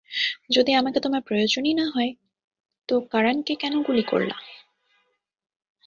যদি আমাকে তোমার প্রয়োজনই না হয়, তো কারান কে কেন গুলি করলা?